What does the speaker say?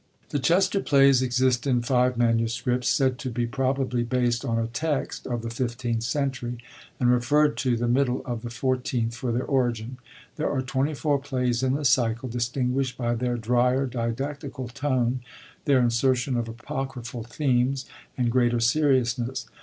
The Chester Plays > exist in five MSS., said to be probably based on a text of the 15th century, and referd to the middle of the 14th for their origin.' There are 24 plays in the cycle, distmguisht by their drier, didactical tone, their insertion of apocryphal themes, and greater seriousness.